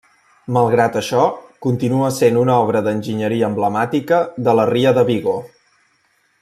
Malgrat això continua sent una obra d'enginyeria emblemàtica de la ria de Vigo.